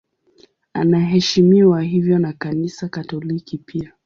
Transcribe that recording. Anaheshimiwa hivyo na Kanisa Katoliki pia.